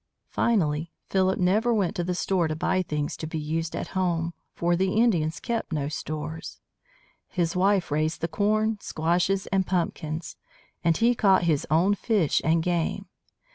Finally, Philip never went to the store to buy things to be used at home, for the Indians kept no stores. His wife raised the corn, squashes, and pumpkins, and he caught his own fish and game.